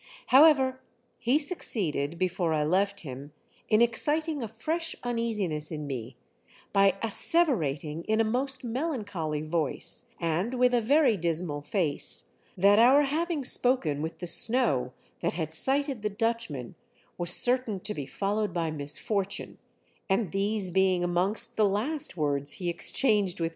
However, he succeeded, before I left him, in exciting a fresh uneasiness in me by asseverating, in a most melancholy voice and with a very dismal face, that our having spoken with the snow that had sighted the Dutchman was certain to be followed by misfortune ; and these being amongst the last words he exchanged with A TRAGICAL DEATH.